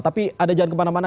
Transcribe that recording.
tapi ada jangan kemana mana